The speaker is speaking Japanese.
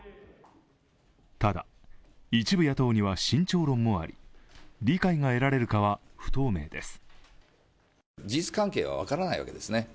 ただ、一部野党には慎重論もあり理解が得られるかは不透明です。